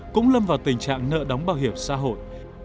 cũng lâm vào tình trạng nợ đóng bảo hiểm xã hội